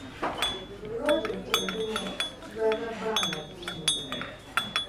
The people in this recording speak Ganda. Pulojekiti ezimu ziba za bbanga ddene.